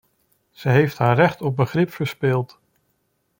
Ze heeft haar recht op begrip verspeeld.